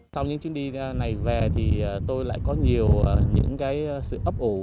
sau những chuyến đi này về thì tôi lại có nhiều những cái sự ấp ủ